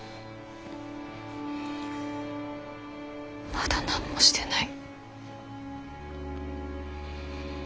まだ何もしてない。